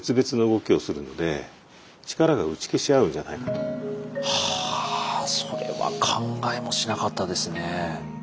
そうするとはぁそれは考えもしなかったですね。